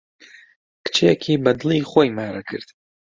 کچێکی بە دڵی خۆی مارە کرد.